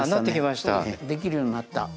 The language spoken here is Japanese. できるようになった。